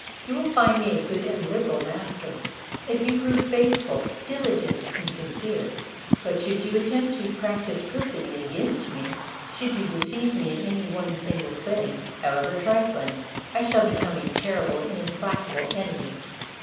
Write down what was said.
You will find me a good and liberal master, if you prove faithful, diligent, and sincere; but should you attempt to practise perfidy against me—should you deceive me in any one single thing, however trifling, I shall become a terrible and implacable enemy."